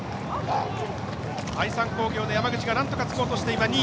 愛三工業の山口がなんとかつこうとして今、２位。